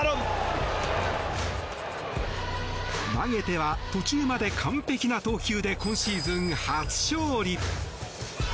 投げては途中まで完璧な投球で今シーズン初勝利。